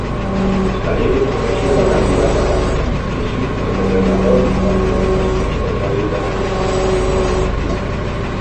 La Llei de Protecció va canviar la càrrega, i així, els depredadors van ser els responsables de l'acte.